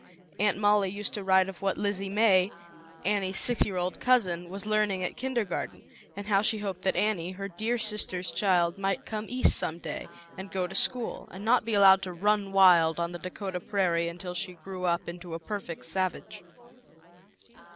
Aunt Molly used to write of what Lizzie May, Annie's six year old cousin, was learning at kindergarten and how she hoped that Annie, her dear sister's ZAUBERLINDA, THE WISE WITCH. 25 child, might come East some day and go to school, and not be allowed to run wild on the Dakota prairie until she grew up into a perfect savage.